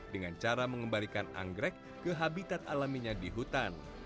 dengan cara mengembalikan anggrek ke habitat alaminya di hutan